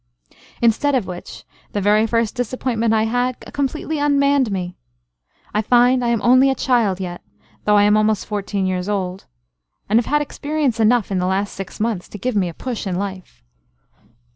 Instead of which, the very first disappointment I had, completely unmanned me. I find I am only a child yet, though I am almost fourteen years old; and have had experience enough in the last six months, to give me a push in life."